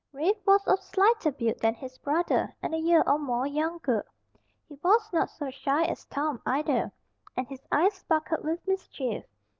Rafe was of slighter build than his brother, and a year or more younger. He was not so shy as Tom, either; and his eyes sparkled with mischief.